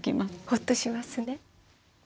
ホッとしますね。